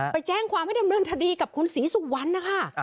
ไปแจ้งความให้ดำเนินคดีกับคุณศรีสุวรรณนะคะ